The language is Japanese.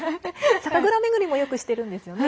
酒蔵巡りもよくしてるんですよね？